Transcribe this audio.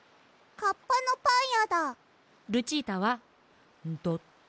カッパのパンや？